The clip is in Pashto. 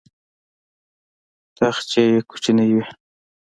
تاخچې یې کوچنۍ وې.